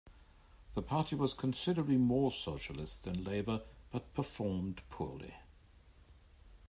The party was considerably more socialist than Labour, but performed poorly.